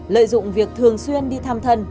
lợi dụng việc thường xuyên đi thăm thân